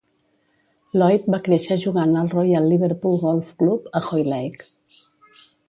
Lloyd va créixer jugant al Royal Liverpool Golf Club a Hoylake.